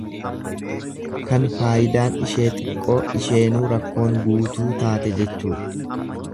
Kan faayidaan ishee xiqqoo isheenuu rakkoon guutuu taate jechuudha.